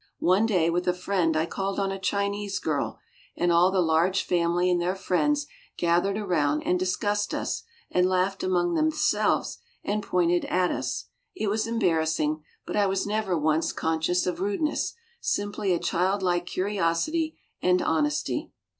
One day with a friend I called on a Chinese girl, and all the large family and their friends gathered around and discussed us and laughed among themselves and pointed at us. It was embarrassing but I was never once conscious of rudeness, simply a childlike curiosity and honesty.